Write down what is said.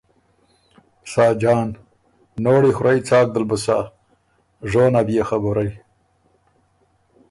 ساجان: نوړی خورئ څاک دل بُو سَۀ، ژون ا بيې خبُرئ